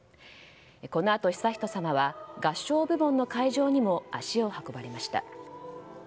このあと、悠仁さまは合唱部門の会場にも足を運ばれました。